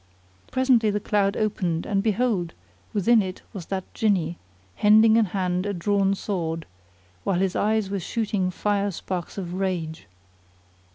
Presently the cloud opened and behold, within it was that Jinni hending in hand a drawn sword, while his eyes were shooting fire sparks of rage.